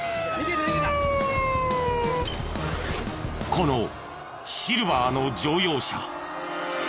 このシルバーの乗用車。